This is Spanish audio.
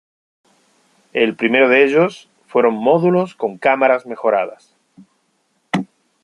El primero de ellos fueron módulos con cámaras mejoradas.